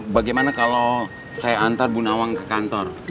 bagaimana kalau saya antar bu nawang ke kantor